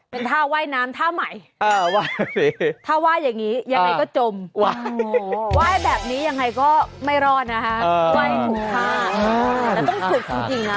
เป็นท่าว่ายน้ำท่าใหม่